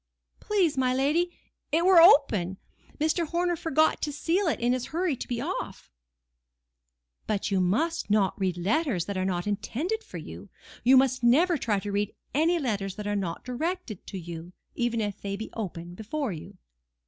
"Please, my lady, it were open. Mr. Horner forgot for to seal it, in his hurry to be off." "But you must not read letters that are not intended for you. You must never try to read any letters that are not directed to you, even if they be open before you."